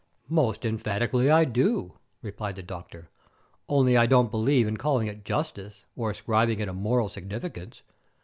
"Most emphatically I do," replied the doctor; "only I don't believe in calling it justice or ascribing it a moral significance.